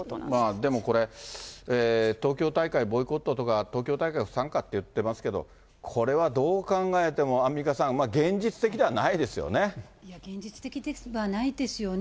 でもこれ、東京大会ボイコットとか、東京大会不参加って言ってますけど、これはどう考えてもアンミカさん、現実的ではないですよね。